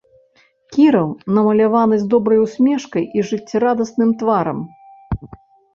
Кіраў намаляваны з добрай усмешкай і жыццярадасным тварам.